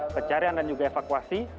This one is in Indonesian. pencarian dan juga evakuasi